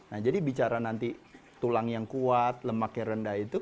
nah jadi bicara nanti tulang yang kuat lemaknya rendah itu